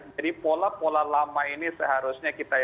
jadi pola pola lama ini seharusnya kita lakukan